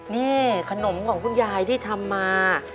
นี่ขนมของคุณยายที่ทำมา